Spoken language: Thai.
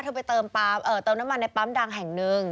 เธอไปเติมน้ำมันในปั๊มดังแห่งหนึ่ง